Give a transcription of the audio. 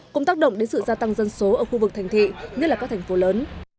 cũng tác động đến sự gia tăng dân số ở khu vực thành thị nhất là các thành phố lớn